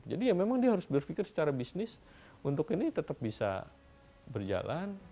jadi ya memang dia harus berpikir secara bisnis untuk ini tetap bisa berjalan